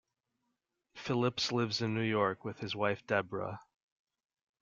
Phillips lives in New York with his wife Debra.